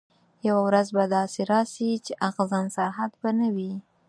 یوه ورځ به داسي راسي چي اغزن سرحد به نه وي